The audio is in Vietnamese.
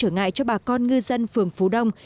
trở ngại cho bà con ngư dân phường phú đông